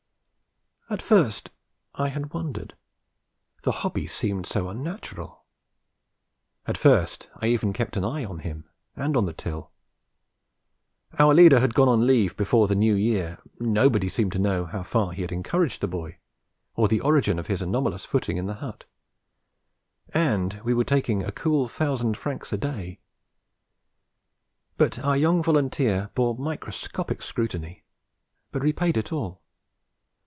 At first I had wondered, the hobby seemed so unnatural: at first I even kept an eye on him and on the till. Our leader had gone on leave before the New Year; nobody seemed to know how far he had encouraged the boy, or the origin of his anomalous footing in the hut; and we were taking a cool thousand francs a day. But our young volunteer bore microscopic scrutiny, but repaid it all.